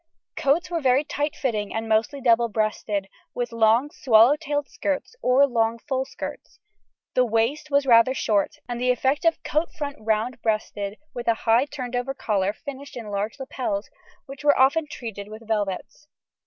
Coats were very tight fitting and mostly double breasted, with long swallow tailed skirts, or long full skirts; the waist was rather short, and the effect of coat front round breasted with a high turned over collar finished in large lapels, which were often treated with velvets.